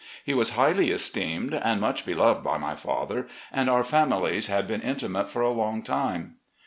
He was highly esteemed and much beloved by my father, and our families had been intimate for a long time.